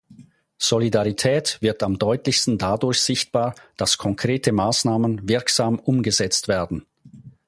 Solidarität wird am deutlichsten dadurch sichtbar, dass konkrete Maßnahmen wirksam umgesetzt werden.